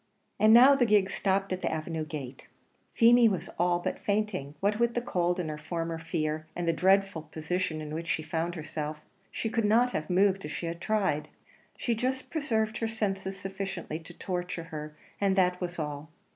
And now the gig stopped at the avenue gate. Feemy was all but fainting; what with the cold and her former fear, and the dreadful position in which she found herself, she could not have moved if she had tried; she just preserved her senses sufficiently to torture her, and that was all.